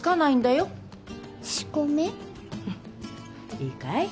いいかい？